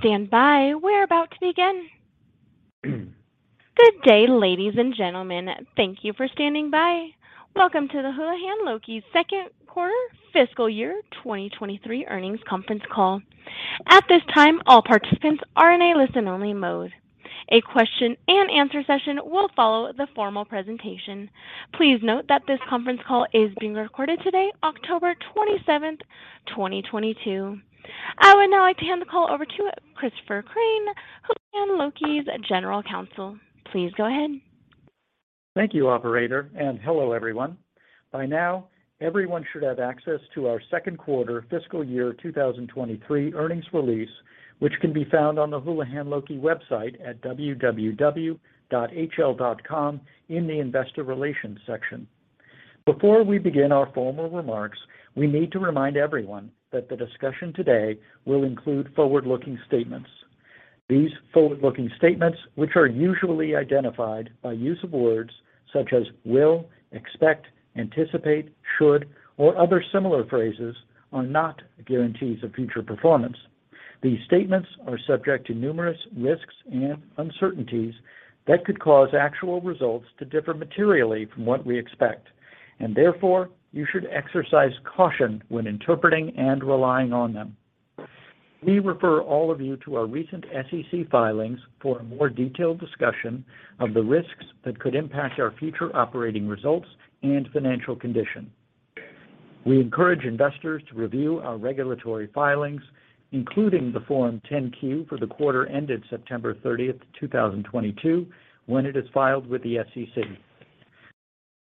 Please stand by. We're about to begin. Good day, ladies and gentlemen. Thank you for standing by. Welcome to the Houlihan Lokey Second Quarter Fiscal Year 2023 Earnings Conference Call. At this time, all participants are in a listen-only mode. A question and answer session will follow the formal presentation. Please note that this conference call is being recorded today, October twenty-seventh, 2022. I would now like to hand the call over to Christopher Crain, Houlihan Lokey's General Counsel. Please go ahead. Thank you, operator, and hello, everyone. By now, everyone should have access to our Second Quarter Fiscal Year 2023 Earnings Release, which can be found on the Houlihan Lokey website at www.hl.com in the Investor Relations section. Before we begin our formal remarks, we need to remind everyone that the discussion today will include forward-looking statements. These forward-looking statements, which are usually identified by use of words such as will, expect, anticipate, should, or other similar phrases, are not guarantees of future performance. These statements are subject to numerous risks and uncertainties that could cause actual results to differ materially from what we expect, and therefore, you should exercise caution when interpreting and relying on them. We refer all of you to our recent SEC filings for a more detailed discussion of the risks that could impact our future operating results and financial condition. We encourage investors to review our regulatory filings, including the Form 10-Q for the quarter ended September 30, 2022, when it is filed with the SEC.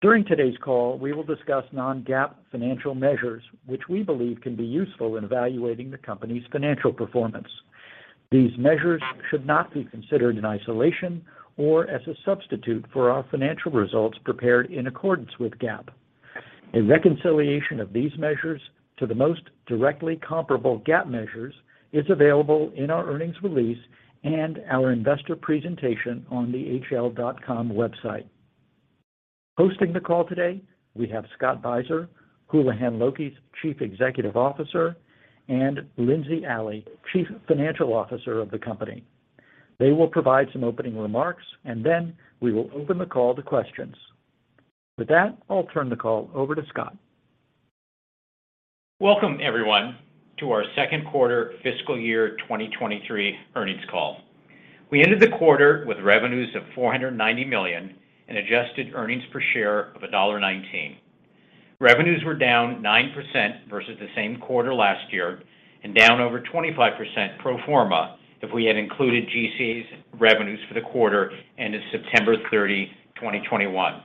During today's call, we will discuss non-GAAP financial measures, which we believe can be useful in evaluating the company's financial performance. These measures should not be considered in isolation or as a substitute for our financial results prepared in accordance with GAAP. A reconciliation of these measures to the most directly comparable GAAP measures is available in our earnings release and our investor presentation on the hl.com website. Hosting the call today, we have Scott Beiser, Houlihan Lokey's Chief Executive Officer, and Lindsey Alley, Chief Financial Officer of the company. They will provide some opening remarks, and then we will open the call to questions. With that, I'll turn the call over to Scott. Welcome, everyone, to our Second Quarter Fiscal Year 2023 Earnings Call. We ended the quarter with revenues of $490 million and adjusted earnings per share of $1.19. Revenues were down 9% versus the same quarter last year and down over 25% pro forma if we had included GCA's revenues for the quarter ended September 30, 2021.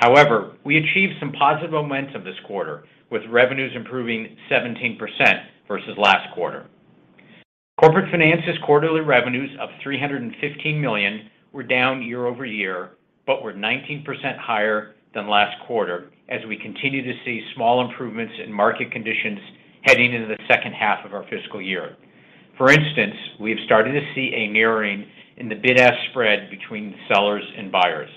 However, we achieved some positive momentum this quarter with revenues improving 17% versus last quarter. Corporate Finance's quarterly revenues of $315 million were down year-over-year, but were 19% higher than last quarter as we continue to see small improvements in market conditions heading into the second half of our fiscal year. For instance, we have started to see a narrowing in the bid-ask spread between sellers and buyers.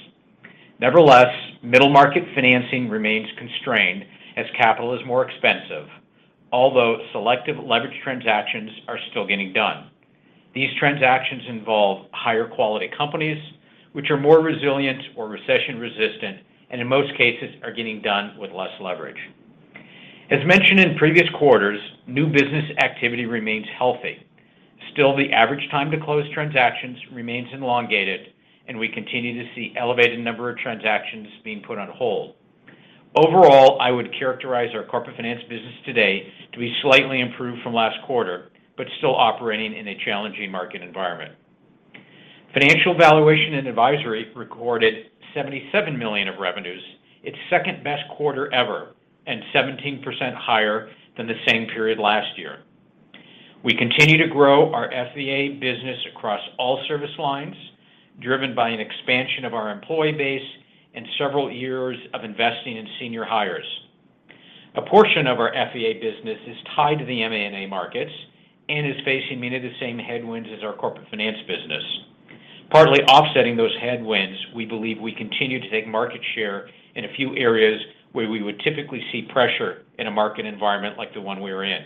Nevertheless, middle market financing remains constrained as capital is more expensive, although selective leverage transactions are still getting done. These transactions involve higher quality companies which are more resilient or recession resistant, and in most cases are getting done with less leverage. As mentioned in previous quarters, new business activity remains healthy. Still, the average time to close transactions remains elongated and we continue to see elevated number of transactions being put on hold. Overall, I would characterize our Corporate Finance business today to be slightly improved from last quarter, but still operating in a challenging market environment. Financial and Valuation Advisory recorded $77 million of revenues, its second best quarter ever, and 17% higher than the same period last year. We continue to grow our FVA business across all service lines, driven by an expansion of our employee base and several years of investing in senior hires. A portion of our FVA business is tied to the M&A markets and is facing many of the same headwinds as our corporate finance business. Partly offsetting those headwinds, we believe we continue to take market share in a few areas where we would typically see pressure in a market environment like the one we are in.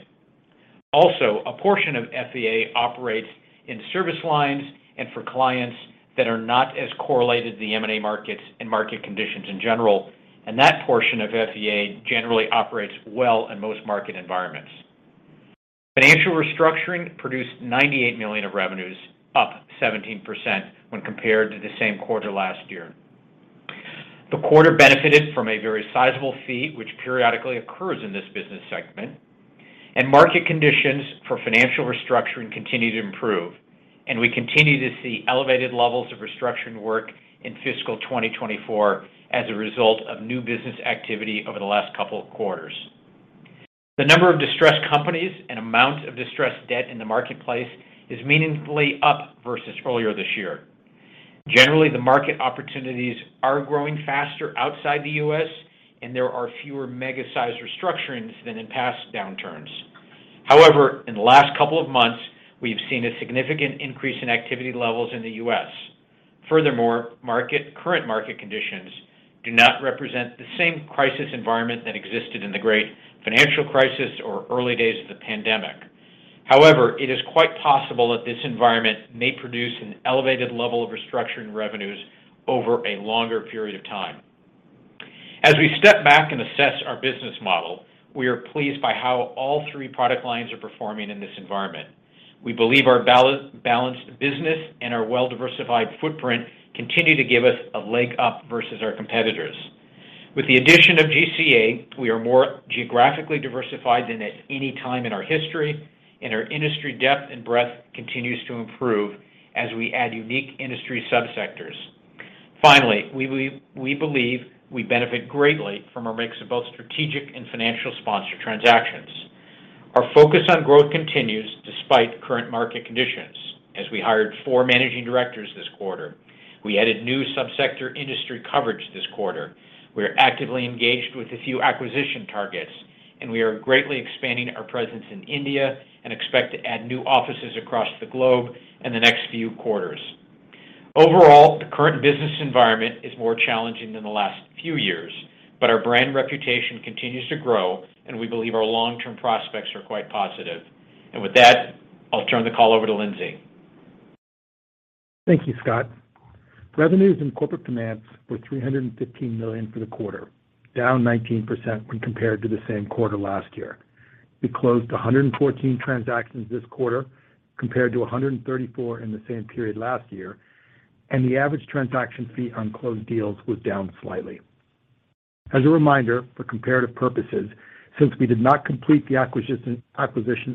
Also, a portion of FVA operates in service lines and for clients that are not as correlated to the M&A markets and market conditions in general, and that portion of FVA generally operates well in most market environments. Financial restructuring produced $98 million of revenues, up 17% when compared to the same quarter last year. The quarter benefited from a very sizable fee which periodically occurs in this business segment, and market conditions for financial restructuring continue to improve, and we continue to see elevated levels of restructuring work in fiscal 2024 as a result of new business activity over the last couple of quarters. The number of distressed companies and amount of distressed debt in the marketplace is meaningfully up versus earlier this year. Generally, the market opportunities are growing faster outside the U.S., and there are fewer mega-sized restructurings than in past downturns. However, in the last couple of months, we have seen a significant increase in activity levels in the U.S. Furthermore, current market conditions do not represent the same crisis environment that existed in the great financial crisis or early days of the pandemic. However, it is quite possible that this environment may produce an elevated level of restructuring revenues over a longer period of time. As we step back and assess our business model, we are pleased by how all three product lines are performing in this environment. We believe our balanced business and our well-diversified footprint continue to give us a leg up versus our competitors. With the addition of GCA, we are more geographically diversified than at any time in our history, and our industry depth and breadth continues to improve as we add unique industry subsectors. Finally, we believe we benefit greatly from a mix of both strategic and financial sponsor transactions. Our focus on growth continues despite current market conditions as we hired 4 managing directors this quarter. We added new subsector industry coverage this quarter. We are actively engaged with a few acquisition targets, and we are greatly expanding our presence in India and expect to add new offices across the globe in the next few quarters. Overall, the current business environment is more challenging than the last few years, but our brand reputation continues to grow, and we believe our long-term prospects are quite positive. With that, I'll turn the call over to Lindsey. Thank you, Scott. Revenues in Corporate Finance were $315 million for the quarter, down 19% when compared to the same quarter last year. We closed 114 transactions this quarter compared to 134 in the same period last year, and the average transaction fee on closed deals was down slightly. As a reminder, for comparative purposes, since we did not complete the acquisition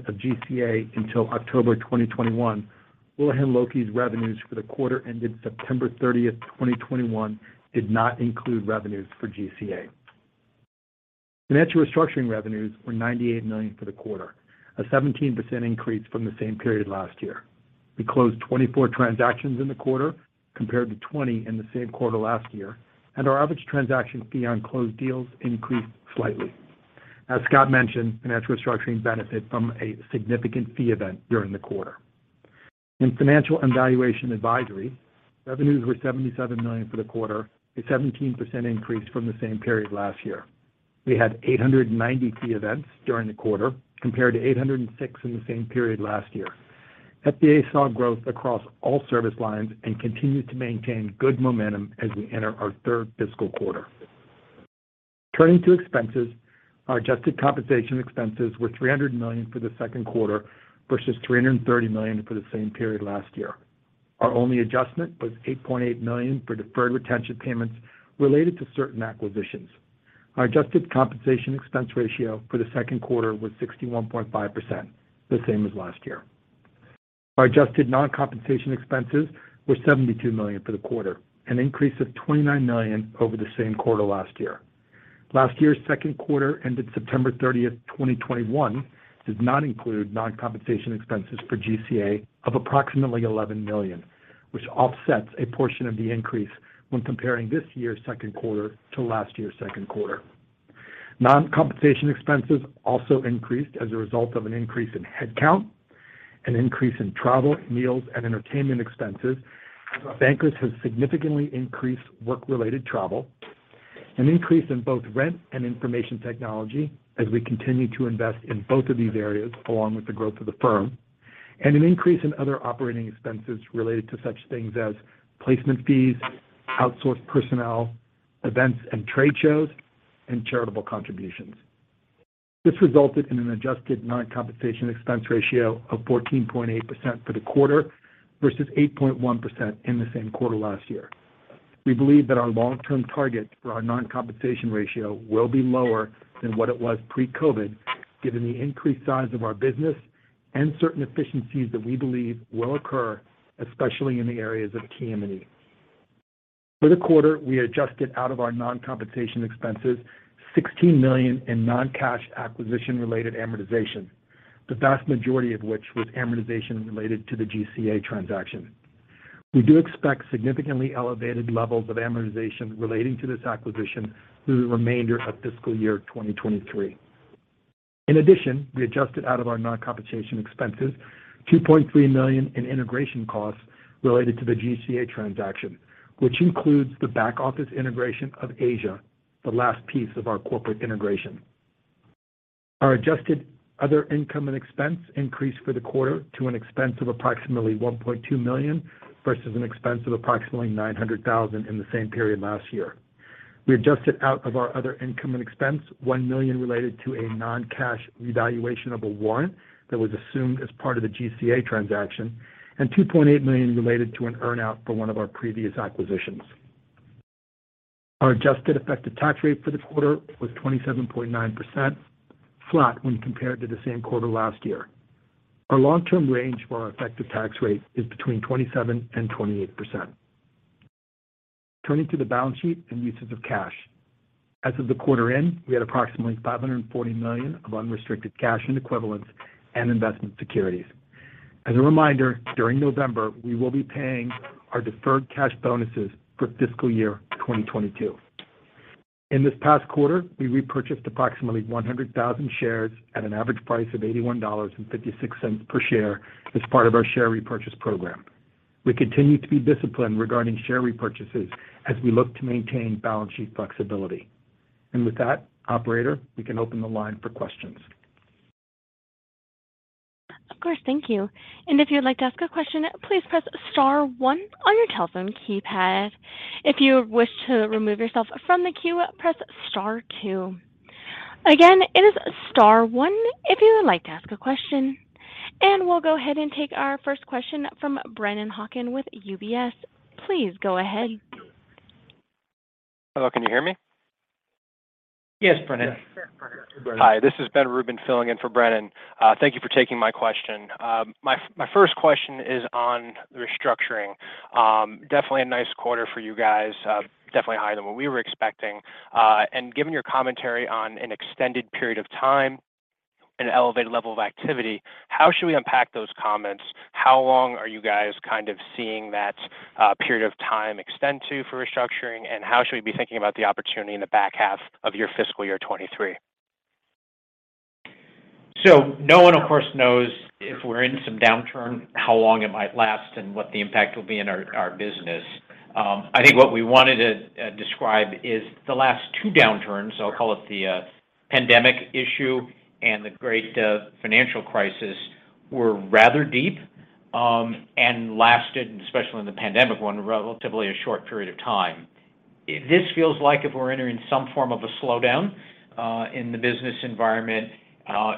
of GCA until October 2021, Houlihan Lokey's revenues for the quarter ended September 30, 2021 did not include revenues for GCA. Financial Restructuring revenues were $98 million for the quarter, a 17% increase from the same period last year. We closed 24 transactions in the quarter compared to 20 in the same quarter last year, and our average transaction fee on closed deals increased slightly. As Scott mentioned, Financial Restructuring benefited from a significant fee event during the quarter. In Financial and Valuation Advisory, revenues were $77 million for the quarter, a 17% increase from the same period last year. We had 890 key events during the quarter compared to 806 in the same period last year. FVA saw growth across all service lines and continued to maintain good momentum as we enter our third fiscal quarter. Turning to expenses, our adjusted compensation expenses were $300 million for the second quarter versus $330 million for the same period last year. Our only adjustment was $8.8 million for deferred retention payments related to certain acquisitions. Our adjusted compensation expense ratio for the second quarter was 61.5%, the same as last year. Our adjusted non-compensation expenses were $72 million for the quarter, an increase of $29 million over the same quarter last year. Last year's second quarter ended September 30, 2021, does not include non-compensation expenses for GCA of approximately $11 million, which offsets a portion of the increase when comparing this year's second quarter to last year's second quarter. Non-compensation expenses also increased as a result of an increase in headcount, an increase in travel, meals, and entertainment expenses, as our bankers have significantly increased work-related travel. An increase in both rent and information technology as we continue to invest in both of these areas along with the growth of the firm, and an increase in other operating expenses related to such things as placement fees, outsourced personnel, events and trade shows, and charitable contributions. This resulted in an adjusted non-compensation expense ratio of 14.8% for the quarter versus 8.1% in the same quarter last year. We believe that our long-term target for our non-compensation ratio will be lower than what it was pre-COVID, given the increased size of our business and certain efficiencies that we believe will occur, especially in the areas of T&E. For the quarter, we adjusted out of our non-compensation expenses $16 million in non-cash acquisition-related amortization, the vast majority of which was amortization related to the GCA transaction. We do expect significantly elevated levels of amortization relating to this acquisition through the remainder of fiscal year 2023. In addition, we adjusted out of our non-compensation expenses $2.3 million in integration costs related to the GCA transaction, which includes the back office integration of Asia, the last piece of our corporate integration. Our adjusted other income and expense increased for the quarter to an expense of approximately $1.2 million versus an expense of approximately $900,000 in the same period last year. We adjusted out of our other income and expense $1 million related to a non-cash revaluation of a warrant that was assumed as part of the GCA transaction and $2.8 million related to an earn-out for one of our previous acquisitions. Our adjusted effective tax rate for the quarter was 27.9%, flat when compared to the same quarter last year. Our long-term range for our effective tax rate is between 27% and 28%. Turning to the balance sheet and uses of cash. As of the quarter end, we had approximately $540 million of unrestricted cash equivalents and investment securities. As a reminder, during November, we will be paying our deferred cash bonuses for fiscal year 2022. In this past quarter, we repurchased approximately 100,000 shares at an average price of $81.56 per share as part of our share repurchase program. We continue to be disciplined regarding share repurchases as we look to maintain balance sheet flexibility. With that, operator, we can open the line for questions. Of course. Thank you. If you'd like to ask a question, please press star one on your telephone keypad. If you wish to remove yourself from the queue, press star two. Again, it is star one if you would like to ask a question. We'll go ahead and take our first question from Brennan Hawken with UBS. Please go ahead. Hello, can you hear me? Yes, Brennan. Hi, this is Ben Rubin filling in for Brennan Hawken. Thank you for taking my question. My first question is on the restructuring. Definitely a nice quarter for you guys. Definitely higher than what we were expecting. Given your commentary on an extended period of time and elevated level of activity, how should we unpack those comments? How long are you guys kind of seeing that period of time extend to for restructuring? How should we be thinking about the opportunity in the back half of your fiscal year 2023? No one, of course, knows if we're in some downturn, how long it might last, and what the impact will be in our business. I think what we wanted to describe is the last two downturns, I'll call it the pandemic issue and the great financial crisis, were rather deep and lasted, especially in the pandemic one, relatively a short period of time. This feels like if we're entering some form of a slowdown in the business environment,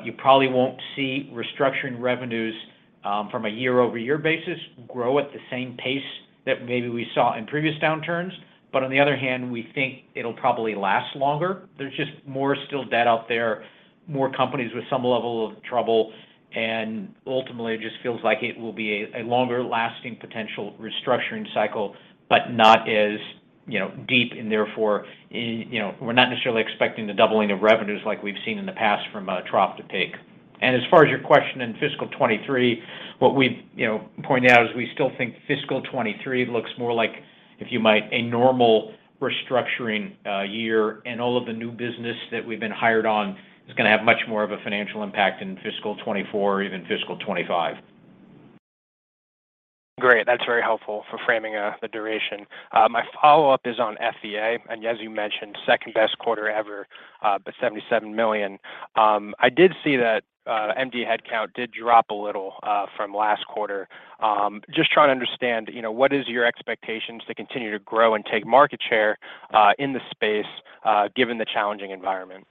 you probably won't see restructuring revenues from a year-over-year basis grow at the same pace that maybe we saw in previous downturns. On the other hand, we think it'll probably last longer. There's just more still debt out there, more companies with some level of trouble, and ultimately it just feels like it will be a longer-lasting potential restructuring cycle, but not as, you know, deep and therefore, you know, we're not necessarily expecting the doubling of revenues like we've seen in the past from a trough to peak. As far as your question in fiscal 2023, what we've, you know, pointed out is we still think fiscal 2023 looks more like, if you might, a normal restructuring year, and all of the new business that we've been hired on is gonna have much more of a financial impact in fiscal 2024 or even fiscal 2025. Great. That's very helpful for framing the duration. My follow-up is on FVA, and as you mentioned, second-best quarter ever, but $77 million. I did see that MD headcount did drop a little from last quarter. Just trying to understand, you know, what is your expectations to continue to grow and take market share in the space given the challenging environment?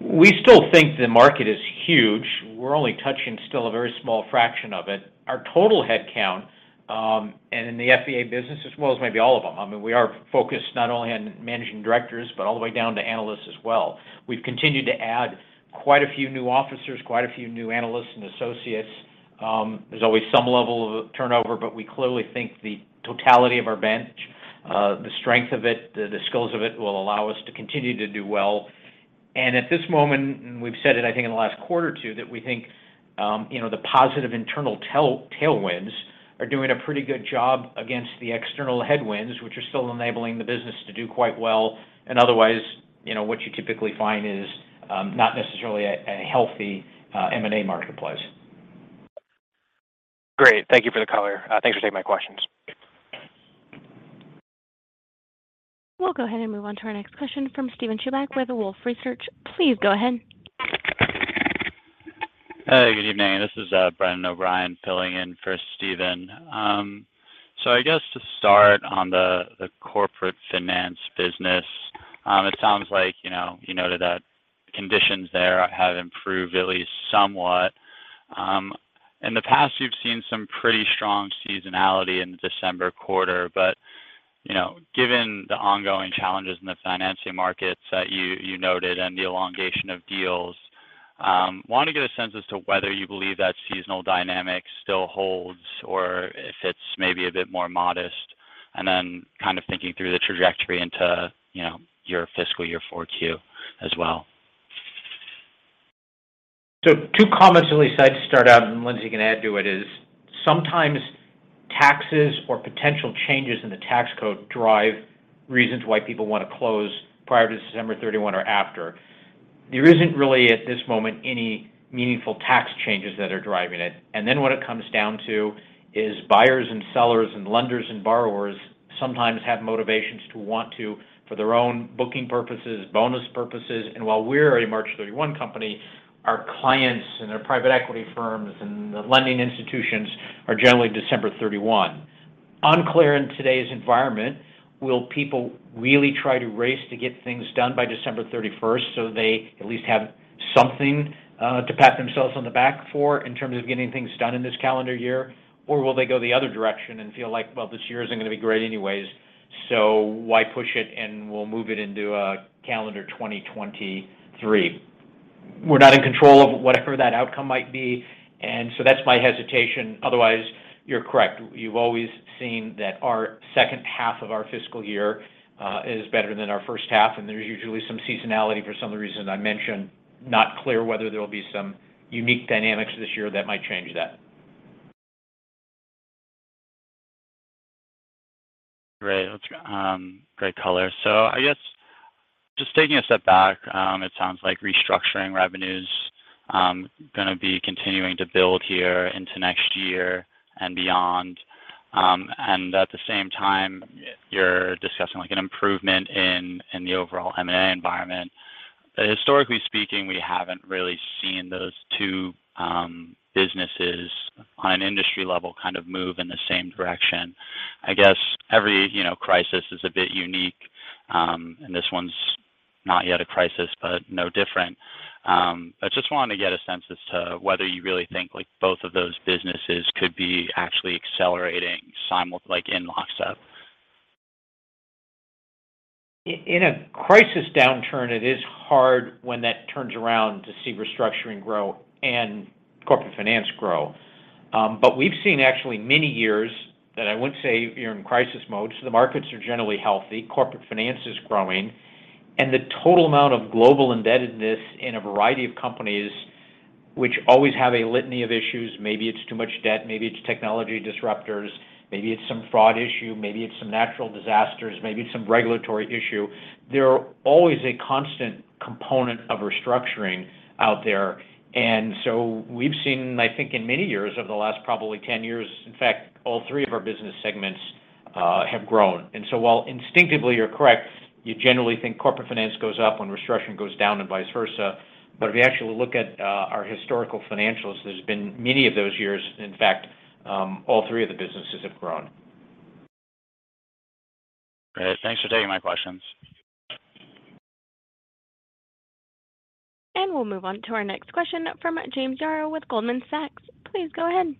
We still think the market is huge. We're only touching still a very small fraction of it. Our total head count, and in the FVA business as well as maybe all of them, I mean, we are focused not only on managing directors, but all the way down to analysts as well. We've continued to add quite a few new officers, quite a few new analysts and associates. There's always some level of turnover, but we clearly think the totality of our bench, the strength of it, the skills of it will allow us to continue to do well. At this moment, and we've said it, I think in the last quarter or two, that we think, you know, the positive internal tailwinds are doing a pretty good job against the external headwinds, which are still enabling the business to do quite well. Otherwise, you know, what you typically find is not necessarily a healthy M&A marketplace. Great. Thank you for the color. Thanks for taking my questions. We'll go ahead and move on to our next question from Steven Chubak with Wolfe Research. Please go ahead. Good evening. This is Brendan O'Brien filling in for Steven Chubak. I guess to start on the Corporate Finance business, it sounds like, you know, you noted that conditions there have improved at least somewhat. In the past, you've seen some pretty strong seasonality in the December quarter. But, you know, given the ongoing challenges in the financing markets that you noted and the elongation of deals, want to get a sense as to whether you believe that seasonal dynamic still holds or if it's maybe a bit more modest. Kind of thinking through the trajectory into, you know, your fiscal year 4Q as well. Two comments at least I'd start out, and Lindsey can add to it, is sometimes taxes or potential changes in the tax code drive reasons why people wanna close prior to December 31 or after. There isn't really at this moment any meaningful tax changes that are driving it. What it comes down to is buyers and sellers and lenders and borrowers sometimes have motivations to want to, for their own booking purposes, bonus purposes. And while we're a March 31 company, our clients and their private equity firms and the lending institutions are generally December 31. Unclear in today's environment, will people really try to race to get things done by December 31st, so they at least have something to pat themselves on the back for in terms of getting things done in this calendar year? Or Will they go the other direction and feel like, "Well, this year isn't gonna be great anyways, so why push it, and we'll move it into calendar 2023?" We're not in control of whatever that outcome might be, and so that's my hesitation. Otherwise, you're correct. You've always seen that our second half of our fiscal year is better than our first half, and there's usually some seasonality for some of the reasons I mentioned. Not clear whether there will be some unique dynamics this year that might change that. Great. That's great color. I guess just taking a step back, it sounds like restructuring revenue's gonna be continuing to build here into next year and beyond. At the same time, you're discussing, like, an improvement in the overall M&A environment. Historically speaking, we haven't really seen those two businesses on an industry level kind of move in the same direction. I guess every, you know, crisis is a bit unique, and this one's not yet a crisis, but no different. I just wanted to get a sense as to whether you really think, like, both of those businesses could be actually accelerating like in lockstep. In a crisis downturn, it is hard when that turns around to see Restructuring grow and Corporate Finance grow. We've seen actually many years that I wouldn't say you're in crisis mode, so the markets are generally healthy, Corporate Finance is growing, and the total amount of global indebtedness in a variety of companies which always have a litany of issues, maybe it's too much debt, maybe it's technology disruptors, maybe it's some fraud issue, maybe it's some natural disasters, maybe it's some regulatory issue. They're always a constant component of Restructuring out there. We've seen, I think, in many years over the last probably 10 years, in fact, all three of our business segments have grown. While instinctively you're correct, you generally think Corporate Finance goes up when Restructuring goes down and vice versa. If you actually look at our historical financials, there's been many of those years, in fact, all three of the businesses have grown. Great. Thanks for taking my questions. We'll move on to our next question from James Yaro with Goldman Sachs. Please go ahead.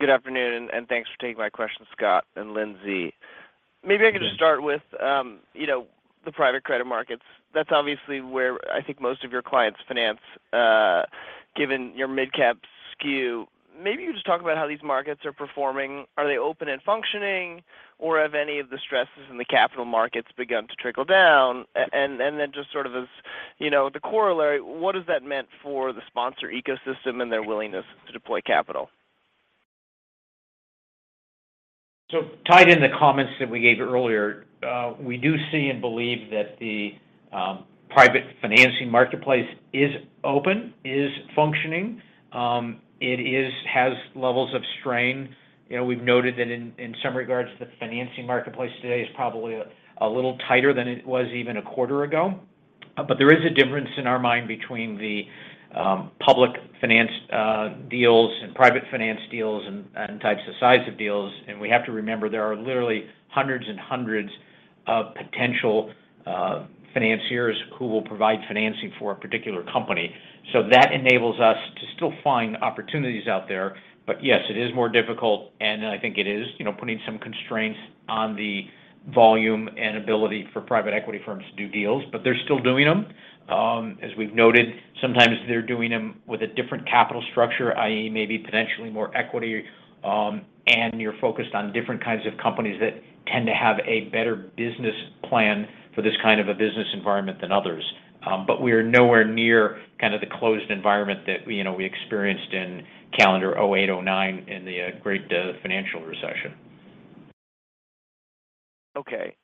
Good afternoon, and thanks for taking my question, Scott and Lindsey. Maybe I can just start with, you know, the private credit markets. That's obviously where I think most of your clients finance, given your midcap skew. Maybe you just talk about how these markets are performing. Are they open and functioning, or have any of the stresses in the capital markets begun to trickle down? Then just sort of as, you know, the corollary, what has that meant for the sponsor ecosystem and their willingness to deploy capital? Tied into comments that we gave earlier, we do see and believe that the private financing marketplace is open, is functioning. It has levels of strain. You know, we've noted that in some regards, the financing marketplace today is probably a little tighter than it was even a quarter ago. There is a difference in our mind between the public finance deals and private finance deals and types of size of deals. We have to remember there are literally hundreds and hundreds of potential financiers who will provide financing for a particular company. That enables us to still find opportunities out there. Yes, it is more difficult, and I think it is, you know, putting some constraints on the volume and ability for private equity firms to do deals, but they're still doing them. As we've noted, sometimes they're doing them with a different capital structure, i.e., maybe potentially more equity, and you're focused on different kinds of companies that tend to have a better business plan for this kind of a business environment than others. We are nowhere near kind of the closed environment that, you know, we experienced in calendar 2008, 2009 in the great financial recession. Okay.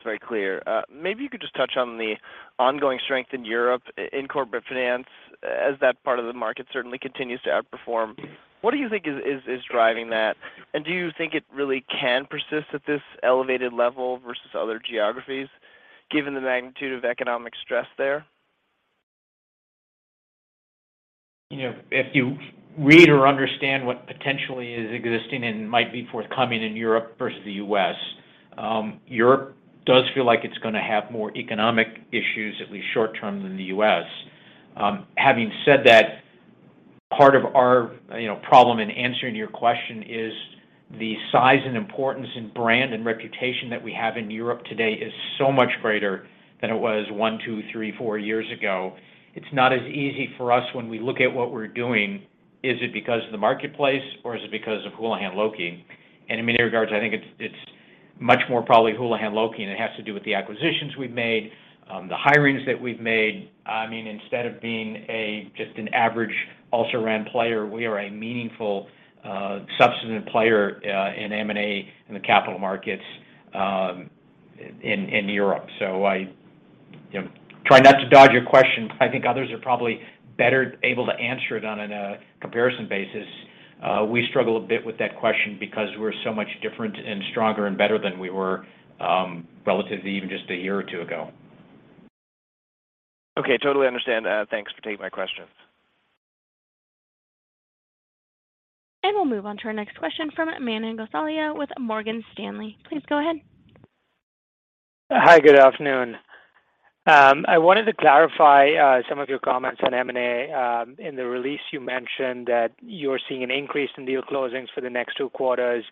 That's very clear. Maybe you could just touch on the ongoing strength in Europe in Corporate Finance as that part of the market certainly continues to outperform. What do you think is driving that? And do you think it really can persist at this elevated level versus other geographies, given the magnitude of economic stress there? You know, if you read or understand what potentially is existing and might be forthcoming in Europe versus the U.S., Europe does feel like it's gonna have more economic issues, at least short term, than the U.S. Having said that, part of our, you know, problem in answering your question is the size and importance and brand and reputation that we have in Europe today is so much greater than it was one, two, three, four years ago. It's not as easy for us when we look at what we're doing, is it because of the marketplace or is it because of Houlihan Lokey? In many regards, I think it's much more probably Houlihan Lokey, and it has to do with the acquisitions we've made, the hirings that we've made. I mean, instead of being just an average also-ran player, we are a meaningful, substantive player in M&A in the capital markets in Europe. I, you know, try not to dodge your question. I think others are probably better able to answer it on a comparison basis. We struggle a bit with that question because we're so much different and stronger and better than we were, relatively even just a year or two ago. Okay. Totally understand. Thanks for taking my question. We'll move on to our next question from Manan Gosalia with Morgan Stanley. Please go ahead. Hi. Good afternoon. I wanted to clarify some of your comments on M&A. In the release, you mentioned that you're seeing an increase in deal closings for the next two quarters.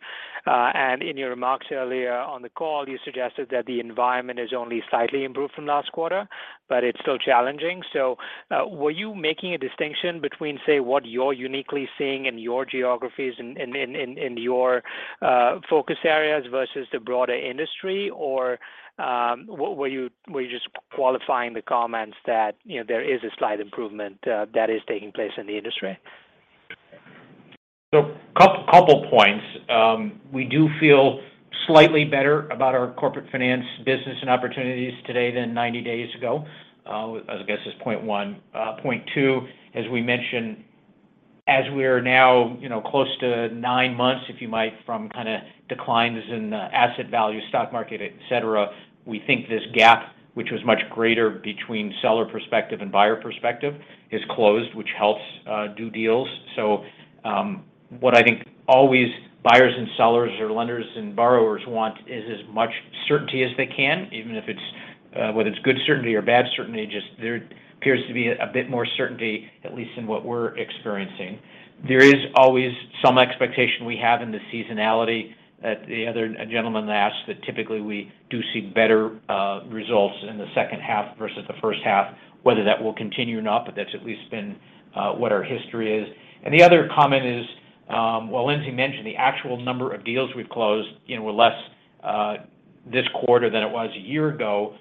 In your remarks earlier on the call, you suggested that the environment has only slightly improved from last quarter, but it's still challenging. Were you making a distinction between, say, what you're uniquely seeing in your geographies in your focus areas versus the broader industry? Or were you just qualifying the comments that, you know, there is a slight improvement that is taking place in the industry? Couple points. We do feel slightly better about our Corporate Finance business and opportunities today than 90 days ago, as I guess is point one. Point two, as we mentioned, as we're now close to 9 months, if you might, from kinda declines in asset value, stock market, et cetera, we think this gap, which was much greater between seller perspective and buyer perspective, is closed, which helps do deals. What I think always buyers and sellers or lenders and borrowers want is as much certainty as they can, even if it's whether it's good certainty or bad certainty, just there appears to be a bit more certainty, at least in what we're experiencing. There is always some expectation we have in the seasonality that the other gentleman asked that typically we do see better results in the second half versus the first half, whether that will continue or not, but that's at least been what our history is. The other comment is, while Lindsey mentioned the actual number of deals we've closed, you know, were less this quarter than it was a year ago,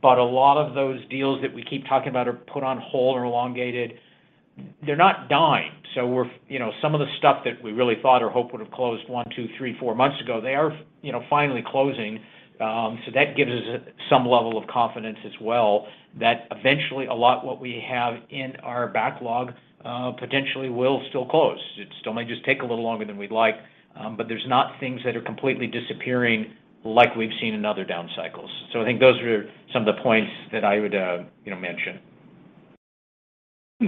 but a lot of those deals that we keep talking about are put on hold or elongated. They're not dying. You know, some of the stuff that we really thought or hope would have closed one, two, three, four months ago, they are, you know, finally closing. That gives us some level of confidence as well that eventually a lot what we have in our backlog potentially will still close. It still may just take a little longer than we'd like, but there's not things that are completely disappearing like we've seen in other down cycles. I think those are some of the points that I would, you know, mention.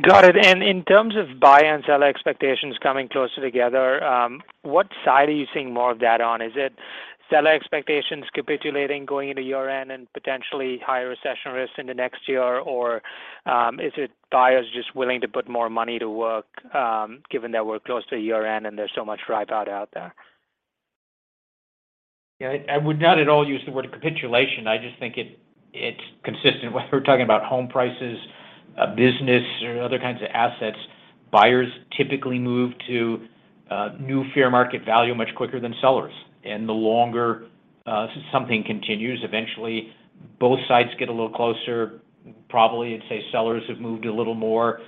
Got it. In terms of buyer and seller expectations coming closer together, what side are you seeing more of that on? Is it seller expectations capitulating going into year-end and potentially higher recession risks in the next year? Is it buyers just willing to put more money to work, given that we're close to a year-end and there's so much dry powder out there? Yeah. I would not at all use the word capitulation. I just think it's consistent. Whether we're talking about home prices, a business, or other kinds of assets, buyers typically move to new fair market value much quicker than sellers. The longer something continues, eventually both sides get a little closer. Probably, I'd say sellers have moved a little more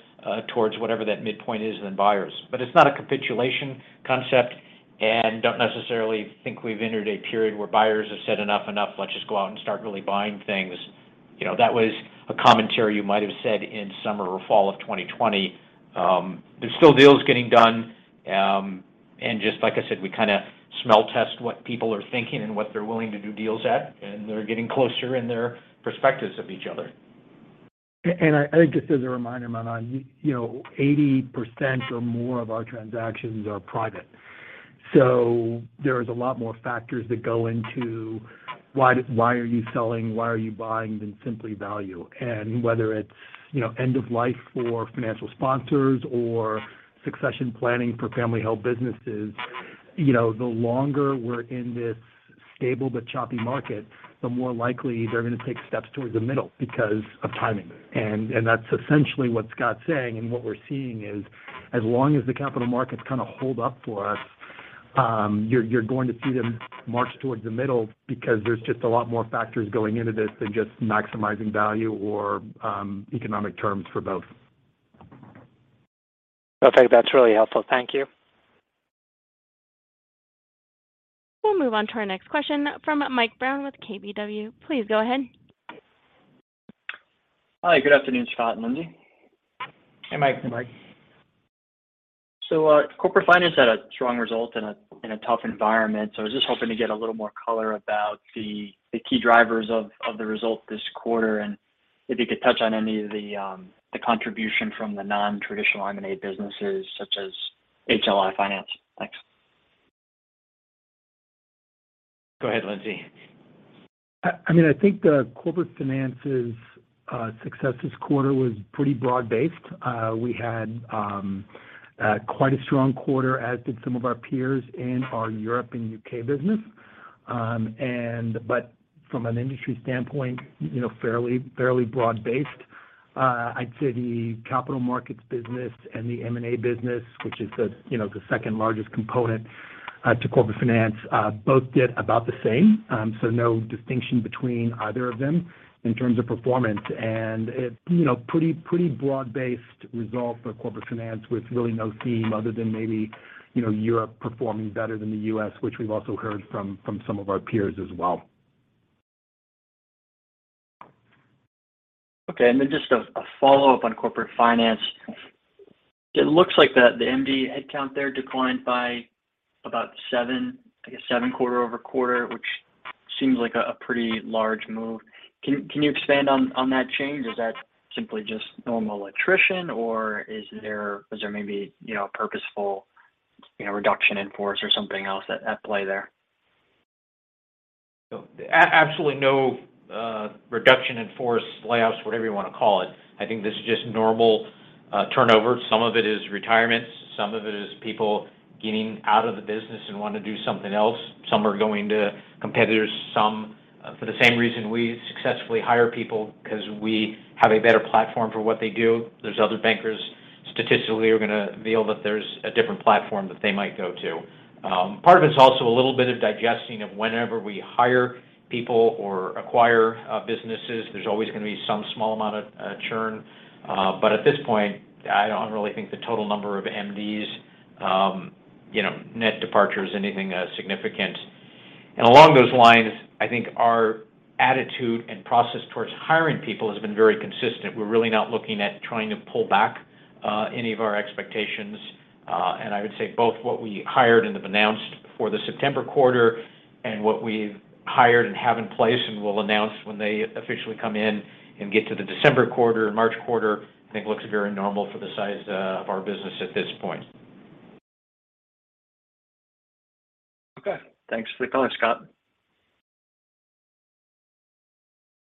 towards whatever that midpoint is than buyers. It's not a capitulation concept, and don't necessarily think we've entered a period where buyers have said, "Enough, enough. Let's just go out and start really buying things." You know, that was a commentary you might have said in summer or fall of 2020. There's still deals getting done. Just like I said, we kinda smell test what people are thinking and what they're willing to do deals at, and they're getting closer in their perspectives of each other. I think just as a reminder, Manan, you know, 80% or more of our transactions are private. There is a lot more factors that go into why are you selling, why are you buying than simply value. Whether it's, you know, end of life for financial sponsors or succession planning for family held businesses, you know, the longer we're in this stable but choppy market, the more likely they're gonna take steps towards the middle because of timing. That's essentially what Scott's saying. What we're seeing is as long as the capital markets kinda hold up for us, you're going to see them march towards the middle because there's just a lot more factors going into this than just maximizing value or economic terms for both. Okay. That's really helpful. Thank you. We'll move on to our next question from Michael Brown with KBW. Please go ahead. Hi. Good afternoon, Scott and Lindsay. Hey, Mike. Hi, Mike. Corporate Finance had a strong result in a tough environment. I was just hoping to get a little more color about the key drivers of the result this quarter, and if you could touch on any of the contribution from the non-traditional M&A businesses such as HL Finance. Thanks. Go ahead, Lindsey. I mean, I think the Corporate Finance's success this quarter was pretty broad-based. We had quite a strong quarter, as did some of our peers in our Europe and U.K. business. But from an industry standpoint, you know, fairly broad-based. I'd say the capital markets business and the M&A business, which is you know the second-largest component to Corporate Finance, both did about the same. So no distinction between either of them in terms of performance. It you know pretty broad-based result for Corporate Finance with really no theme other than maybe, you know, Europe performing better than the U.S., which we've also heard from some of our peers as well. Okay. Just a follow-up on Corporate Finance. It looks like the MD headcount there declined by about seven, I guess seven quarter-over-quarter, which seems like a pretty large move. Can you expand on that change? Is that simply just normal attrition, or is there maybe, you know, a purposeful, you know, reduction in force or something else at play there? Absolutely no reduction in force, layoffs, whatever you wanna call it. I think this is just normal turnover. Some of it is retirements. Some of it is people getting out of the business and wanna do something else. Some are going to competitors. Some for the same reason we successfully hire people 'cause we have a better platform for what they do. There's other bankers statistically are gonna feel that there's a different platform that they might go to. Part of it's also a little bit of digesting of whenever we hire people or acquire businesses, there's always gonna be some small amount of churn. At this point, I don't really think the total number of MDs, you know, net departure is anything significant. Along those lines, I think our attitude and process towards hiring people has been very consistent. We're really not looking at trying to pull back, any of our expectations. I would say both what we hired and have announced for the September quarter and what we've hired and have in place and will announce when they officially come in and get to the December quarter and March quarter, I think looks very normal for the size, of our business at this point. Okay. Thanks for the color, Scott.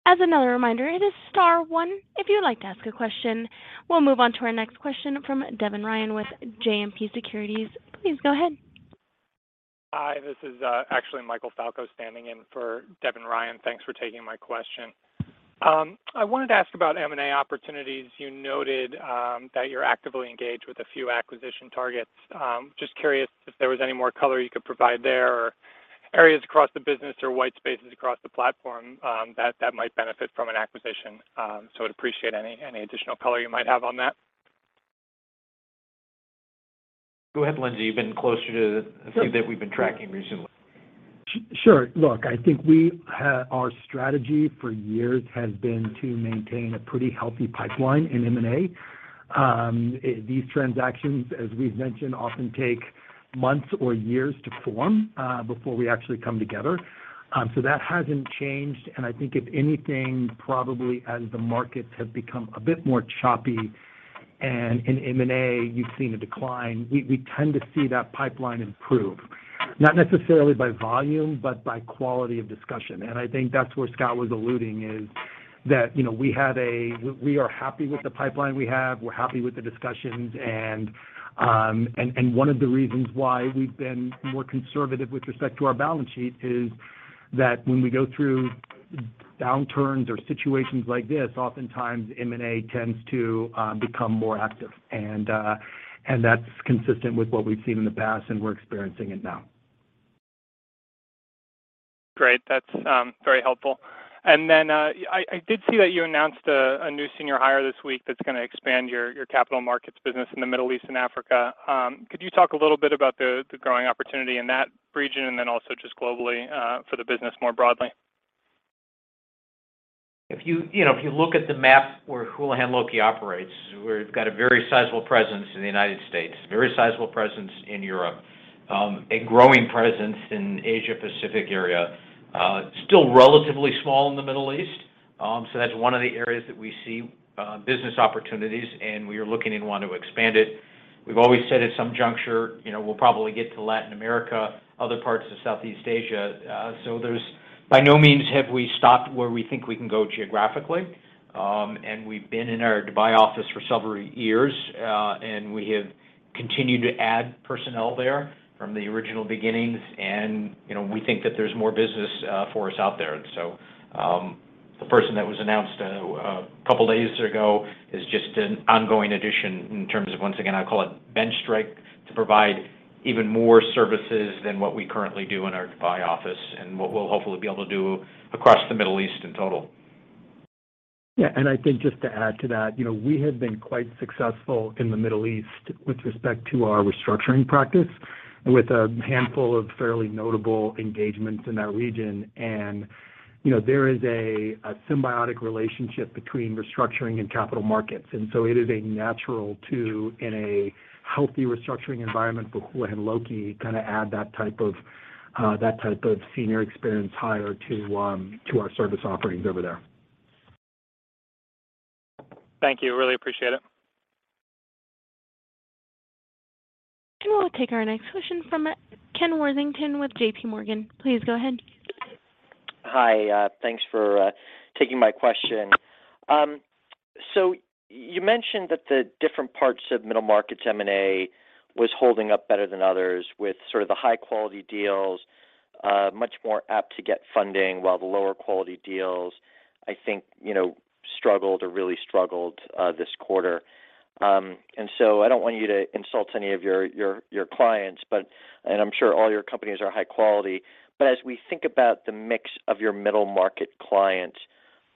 As another reminder, it is star one if you'd like to ask a question. We'll move on to our next question from Devin Ryan with JMP Securities. Please go ahead. Hi, this is actually Michael Falco standing in for Devin Ryan. Thanks for taking my question. I wanted to ask about M&A opportunities. You noted that you're actively engaged with a few acquisition targets. Just curious if there was any more color you could provide there or areas across the business or white spaces across the platform that might benefit from an acquisition. I'd appreciate any additional color you might have on that. Go ahead, Lindsey. You've been closer to the few that we've been tracking recently. Sure. Look, I think our strategy for years has been to maintain a pretty healthy pipeline in M&A. These transactions, as we've mentioned, often take months or years to form before we actually come together. That hasn't changed. I think if anything, probably as the markets have become a bit more choppy and in M&A, you've seen a decline, we tend to see that pipeline improve, not necessarily by volume, but by quality of discussion. I think that's where Scott was alluding, is that, you know, we are happy with the pipeline we have. We're happy with the discussions. One of the reasons why we've been more conservative with respect to our balance sheet is that when we go through downturns or situations like this, oftentimes M&A tends to become more active. That's consistent with what we've seen in the past, and we're experiencing it now. Great. That's very helpful. Then I did see that you announced a new senior hire this week that's gonna expand your capital markets business in the Middle East and Africa. Could you talk a little bit about the growing opportunity in that region and then also just globally for the business more broadly? If you know, if you look at the map where Houlihan Lokey operates, we've got a very sizable presence in the United States, very sizable presence in Europe, a growing presence in Asia-Pacific area, still relatively small in the Middle East. That's one of the areas that we see business opportunities, and we are looking and want to expand it. We've always said at some juncture, you know, we'll probably get to Latin America, other parts of Southeast Asia. There's by no means have we stopped where we think we can go geographically. We've been in our Dubai office for several years, and we have continued to add personnel there from the original beginnings. You know, we think that there's more business for us out there. The person that was announced a couple of days ago is just an ongoing addition in terms of, once again, I'll call it bench strength to provide even more services than what we currently do in our Dubai office and what we'll hopefully be able to do across the Middle East in total. Yeah. I think just to add to that, you know, we have been quite successful in the Middle East with respect to our restructuring practice with a handful of fairly notable engagements in that region. You know, there is a symbiotic relationship between restructuring and capital markets, and so it is natural to, in a healthy restructuring environment for Houlihan Lokey to kinda add that type of senior experience hire to our service offerings over there. Thank you. Really appreciate it. We'll take our next question from Ken Worthington with J.P. Morgan. Please go ahead. Hi. Thanks for taking my question. So you mentioned that the different parts of middle-market M&A was holding up better than others with sort of the high-quality deals, much more apt to get funding while the lower quality deals, I think, you know, struggled or really struggled, this quarter. I don't want you to insult any of your clients, but and I'm sure all your companies are high quality, but as we think about the mix of your middle-market clients,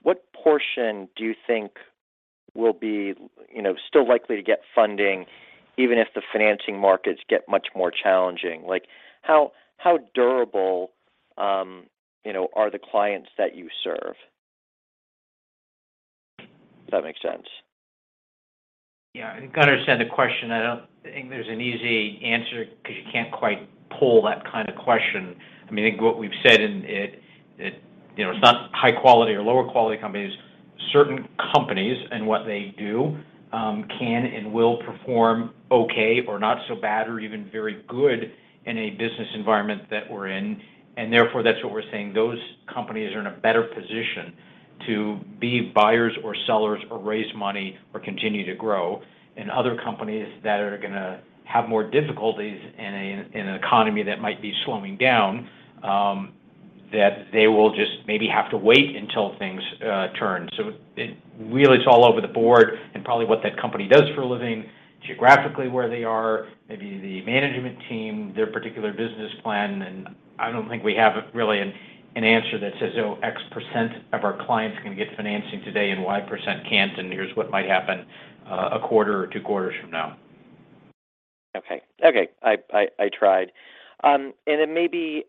what portion do you think will be, you know, still likely to get funding even if the financing markets get much more challenging? Like, how durable, you know, are the clients that you serve? If that makes sense. Yeah. I think I understand the question. I don't think there's an easy answer because you can't quite pull that kind of question. I mean, I think what we've said and it, you know, it's not high quality or lower quality companies. Certain companies and what they do can and will perform okay or not so bad or even very good in a business environment that we're in. Therefore, that's what we're saying. Those companies are in a better position to be buyers or sellers or raise money or continue to grow. Other companies that are gonna have more difficulties in an economy that might be slowing down, that they will just maybe have to wait until things turn. It really is all over the board and probably what that company does for a living, geographically, where they are, maybe the management team, their particular business plan. I don't think we have really an answer that says, "Oh, X% of our clients are gonna get financing today and Y% can't, and here's what might happen, a quarter or two quarters from now. Okay. I tried. Then maybe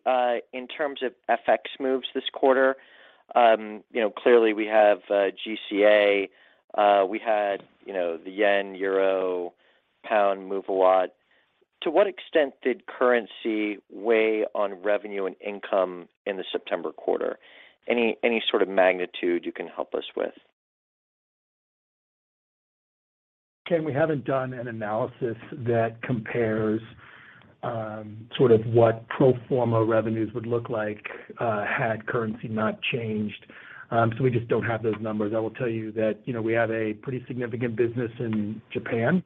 in terms of FX moves this quarter, you know, clearly we have GCA. We had, you know, the yen, euro, pound move a lot. To what extent did currency weigh on revenue and income in the September quarter? Any sort of magnitude you can help us with? Ken, we haven't done an analysis that compares sort of what pro forma revenues would look like had currency not changed. We just don't have those numbers. I will tell you that, you know, we have a pretty significant business in Japan,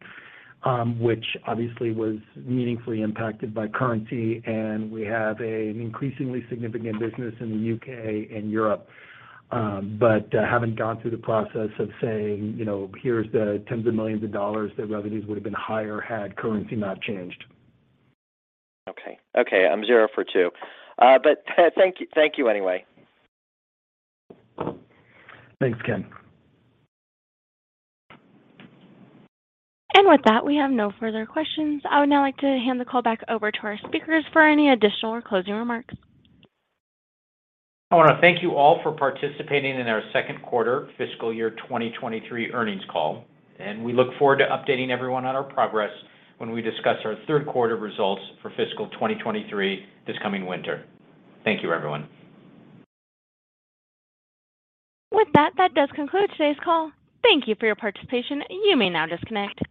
which obviously was meaningfully impacted by currency, and we have an increasingly significant business in the UK and Europe. Haven't gone through the process of saying, you know, "Here's the tens of millions of dollars that revenues would have been higher had currency not changed. Okay. I'm zero for two. Thank you anyway. Thanks, Ken. With that, we have no further questions. I would now like to hand the call back over to our speakers for any additional or closing remarks. I wanna thank you all for participating in our second quarter fiscal year 2023 earnings call, and we look forward to updating everyone on our progress when we discuss our third quarter results for fiscal 2023 this coming winter. Thank you, everyone. With that, that does conclude today's call. Thank you for your participation. You may now disconnect.